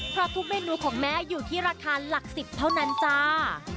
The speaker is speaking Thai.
เพราะทุกเมนูของแม่อยู่ที่ราคาหลัก๑๐เท่านั้นจ้า